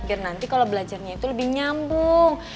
biar nanti kalau belajarnya itu lebih nyambung